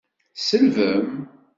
Tselbem?